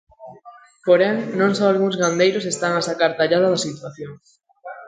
Porén, non só algúns gandeiros están a sacar tallada da situación.